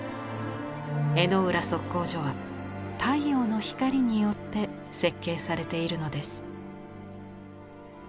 江之浦測候所は太陽の光によって設計されているのです。